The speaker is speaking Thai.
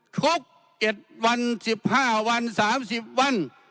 ครบ๗วัน๑๕วัน๓๐วัน